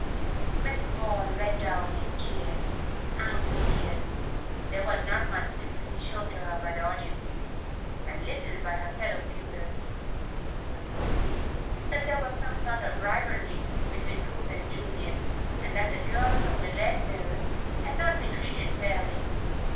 '" Miss Ball went down in tears angry tears but there was not much sympathy shown her by the audience, and little by her fellow pupils. It was soon seen that there was some sort of rivalry between Ruth and Julia, and that the girl from the Red Mill had not been treated fairly.